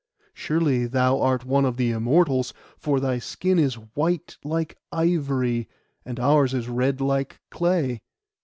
Surely thou art one of the Immortals; for thy skin is white like ivory, and ours is red like clay.